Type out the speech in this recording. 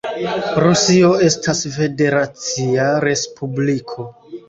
Rusio estas federacia respubliko.